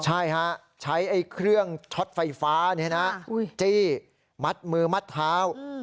ใช่ฮะใช้ไอ้เครื่องช็อตไฟฟ้าเนี้ยนะอุ้ยที่มัดมือมัดเท้าอืม